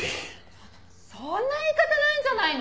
ちょっとそんな言い方ないんじゃないの！？